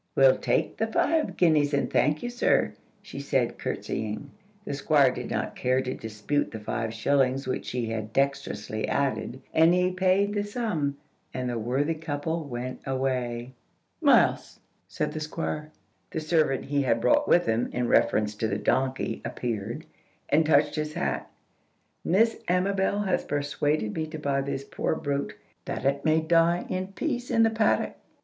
"We'll take the five guineas, and thank you, sir," she said, courtesying. The Squire did not care to dispute the five shillings which she had dexterously added, and he paid the sum, and the worthy couple went away. "Miles!" said the Squire. The servant he had brought with him in reference to the donkey appeared, and touched his hat. "Miss Amabel has persuaded me to buy this poor brute, that it may die in peace in the paddock.